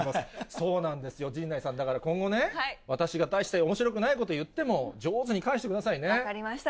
そうなんですよ、陣内さん、だから今後ね、私が対しておもしろくないことを言っても、上手に分かりました。